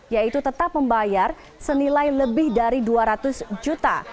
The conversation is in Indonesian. yaitu tetap membayar senilai lebih dari dua ratus juta